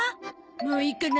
もういいかな。